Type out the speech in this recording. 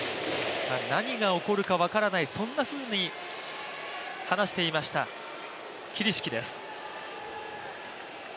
何が起こるか分からない、そんなふうに話していました桐敷です。